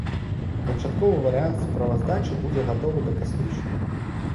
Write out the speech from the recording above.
Канчатковы варыянт справаздачы будзе гатовы да кастрычніка.